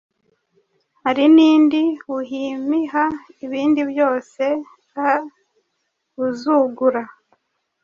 hari, ninde uhimiha ibindi byose auzugura,